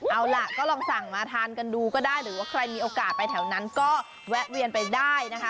เอาล่ะก็ลองสั่งมาทานกันดูก็ได้หรือว่าใครมีโอกาสไปแถวนั้นก็แวะเวียนไปได้นะคะ